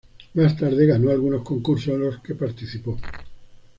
Más tarde ganó algunos concursos en los que participó.